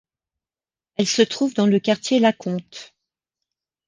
Elle se trouve dans le quartier La Conte.